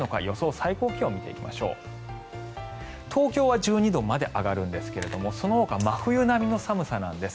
最高気温を見ていきましょう東京は１２度まで上がるんですけどそのほか真冬並みの寒さなんです。